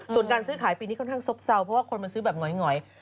ส่วนการซื้อขายปีนี้ค่อนข้างซบเศร้าเพราะว่าคนมาซื้อแบบหงอย